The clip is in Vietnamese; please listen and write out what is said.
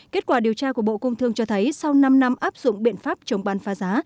kết quả điều tra của bộ công thương cho thấy sau năm năm áp dụng biện pháp chống bán phá giá